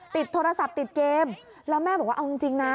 ติดโทรศัพท์ติดเกมแล้วแม่บอกว่าเอาจริงนะ